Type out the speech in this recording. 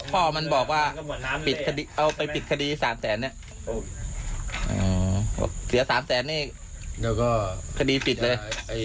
พ่อมันบอกว่าเอาไปปิดคดี๓๐๐๐๐๐เสีย๓๐๐๐๐๐นี่คดีปิดเลย